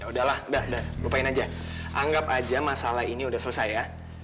ya udah lah udah udah lupain aja anggap aja masalah ini udah selesai ya